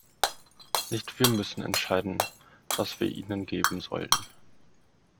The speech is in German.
Nicht wir müssen entscheiden, was wir ihnen geben sollten.